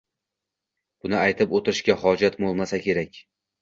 Buni aytib oʻtirishga hojat boʻlmasa kerak.